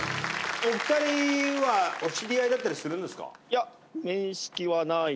お二人はお知り合いだったりするんですか？